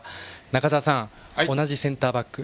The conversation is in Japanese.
中澤さん、同じセンターバック。